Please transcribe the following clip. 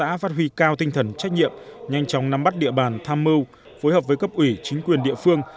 đã phát huy cao tinh thần trách nhiệm nhanh chóng nắm bắt địa bàn tham mưu phối hợp với cấp ủy chính quyền địa phương